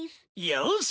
よし！